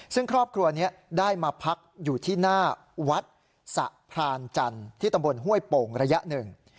ซึ่งครอบครัวนี้ได้มาพักอยู่ที่หน้าวัดสะพรานจันทร์ที่ตำบลห้วยโป่งระยะหนึ่ง